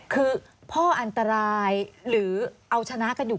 คือพ่ออันตรายหรือเอาชนะกันอยู่